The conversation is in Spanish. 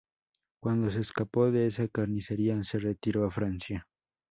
Cuando se escapó de esa carnicería, se retiró a Francia.